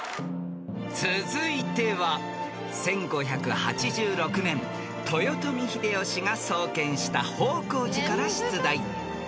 ［続いては１５８６年豊臣秀吉が創建した方広寺から出題］